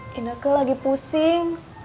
dina ke lagi pusing